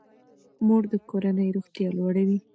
مور د کورنۍ روغتیا لوړوي.